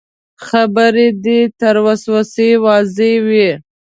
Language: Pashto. خبرې دې يې تر وسه وسه واضح وي.